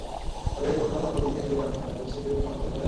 কাজেই কোনো নদী শুকিয়ে যাওয়া মানে অজস্র জীবন অচল হয়ে যাওয়া।